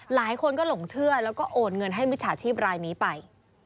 หลายคนก็หลงเชื่อแล้วก็โอนเงินให้มิจฉาชีพรายนี้ไป